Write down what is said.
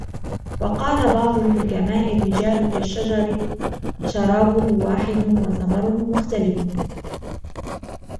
وَقَالَ بَعْضُ الْحُكَمَاءِ الرِّجَالُ كَالشَّجَرِ شَرَابُهُ وَاحِدٌ وَثَمَرُهُ مُخْتَلِفٌ